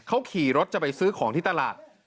เขาขี่รถจะไปซื้อของที่ตลาด